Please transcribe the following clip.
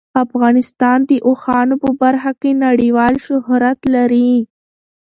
افغانستان د اوښانو په برخه کې نړیوال شهرت لري.